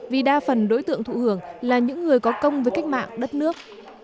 vì đa phần đối tượng thụ hưởng là những người có công với cách mạng đất nước